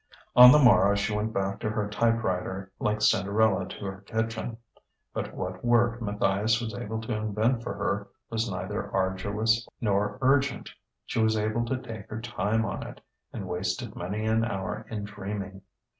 On the morrow she went back to her typewriter like Cinderella to her kitchen. But what work Matthias was able to invent for her was neither arduous nor urgent; she was able to take her time on it, and wasted many an hour in dreaming.